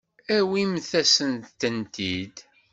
Awimt-asent-tent-id.